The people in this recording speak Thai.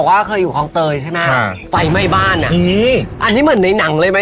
แล้วของความเตยเสร็จที่จบหนึ่งผู้